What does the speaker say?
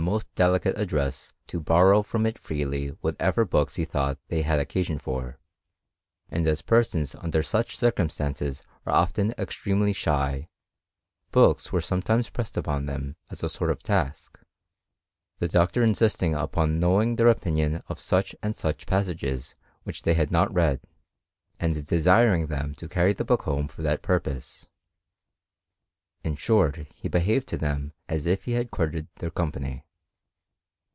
most delicate address to borrow from it freely whatever books he thought they had occasion for; and as persons under such circumstances are often extremely shy, books were sometimes pressed upon them as a sort of task, the doctor insisting upon knowing their opinion of such and such passages which they had not read, and desiring them to carry the book home for that pur pose : in short, he behaved to them as if he had courted their company.